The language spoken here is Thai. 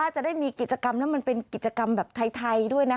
จะได้มีกิจกรรมแล้วมันเป็นกิจกรรมแบบไทยด้วยนะ